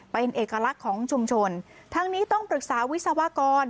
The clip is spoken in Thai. เป็นเอกลักษณ์ของชุมชนทั้งนี้ต้องปรึกษาวิศวกร